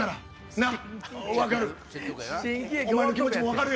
分かる！